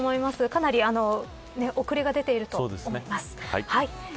かなり遅れが出ていると思います。